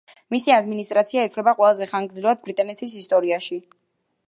მისი ადმინისტრაცია ითვლება ყველაზე ხანგრძლივად ბრიტანეთის ისტორიაში.